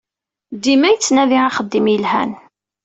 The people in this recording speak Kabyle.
Dima yettnadi axeddim yelhan.